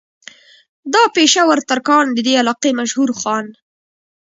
دا پېشه ور ترکاڼ د دې علاقې مشهور خان